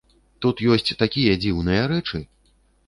Тут ёсць такія дзіўныя рэчы!